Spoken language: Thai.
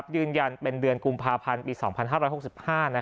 ยืนยันเป็นเดือนกุมภาพันธ์ปี๒๕๖๕